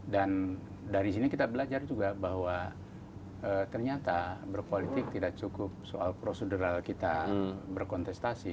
dan dari sini kita belajar juga bahwa ternyata berpolitik tidak cukup soal prosedural kita berkontestasi